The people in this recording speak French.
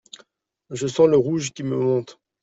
Je sens le rouge qui me monte.